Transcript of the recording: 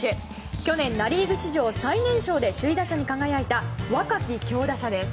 去年、ナ・リーグ史上最年少で首位打者に輝いた若き強打者。